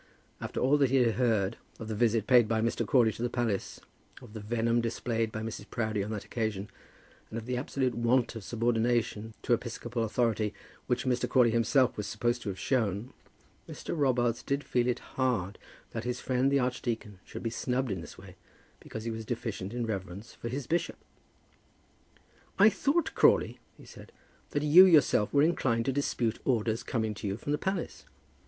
After all that he had heard of the visit paid by Mr. Crawley to the palace, of the venom displayed by Mrs. Proudie on that occasion, and of the absolute want of subordination to episcopal authority which Mr. Crawley himself was supposed to have shown, Mr. Robarts did feel it hard that his friend the archdeacon should be snubbed in this way because he was deficient in reverence for his bishop! "I thought, Crawley," he said, "that you yourself were inclined to dispute orders coming to you from the palace.